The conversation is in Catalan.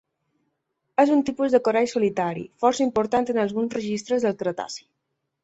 És un tipus de corall solitari força important en alguns registres fòssils del Cretaci.